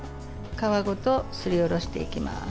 皮ごとすりおろしていきます。